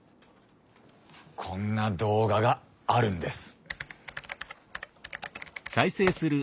こんな動画があるんです。